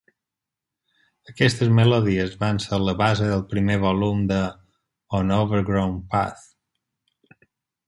Aquestes melodies van ser la base del primer volum de "On a Overgrown Path".